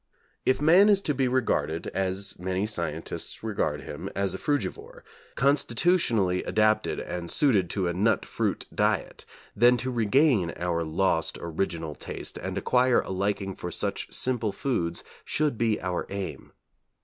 If man is to be regarded, as many scientists regard him, as a frugivore, constitutionally adapted and suited to a nut fruit diet, then to regain our lost original taste and acquire a liking for such simple foods should be our aim.